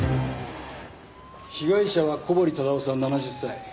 被害者は小堀忠夫さん７０歳。